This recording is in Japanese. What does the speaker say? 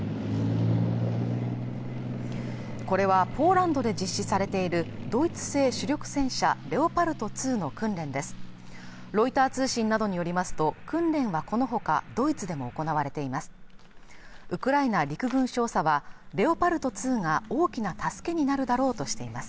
これはポーランドで実施されているドイツ製主力戦車レオパルト２の訓練ですロイター通信などによりますと訓練はこのほかドイツでも行われています